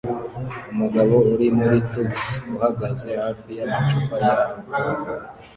Umugabo uri muri tux uhagaze hafi y'amacupa ya alcool